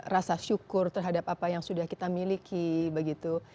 rasa syukur terhadap apa yang sudah kita miliki begitu